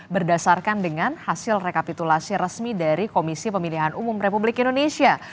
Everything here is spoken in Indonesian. berdasarkan dengan hasil rekapitulasi resmi dari komisi pemilihan umum republik indonesia